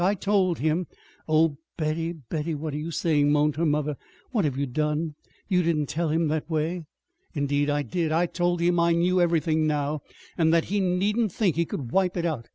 I told him " "Oh, Betty, Betty, what are you saying?" moaned her mother. "What have you done? You didn't tell him that way!" "Indeed I did! I told him I knew everything now; and that he needn't think he could wipe it out.